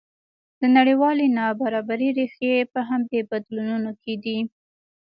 د نړیوالې نابرابرۍ ریښې په همدې بدلونونو کې دي.